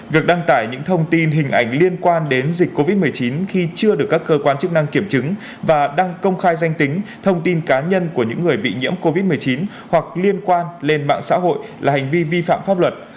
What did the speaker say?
việc đăng tải những thông tin hình ảnh liên quan đến dịch covid một mươi chín khi chưa được các cơ quan chức năng kiểm chứng và đăng công khai danh tính thông tin cá nhân của những người bị nhiễm covid một mươi chín hoặc liên quan lên mạng xã hội là hành vi vi phạm pháp luật